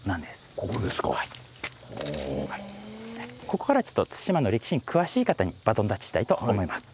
ここからはちょっと対馬の歴史に詳しい方にバトンタッチしたいと思います。